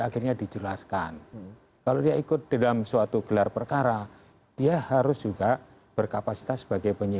akhirnya dijelaskan kalau dia ikut dalam suatu gelar perkara dia harus juga berkapasitas sebagai